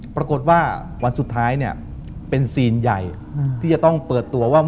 ปรากฏว่าวันสุดท้ายเนี่ยเป็นซีนใหญ่ที่จะต้องเปิดตัวว่า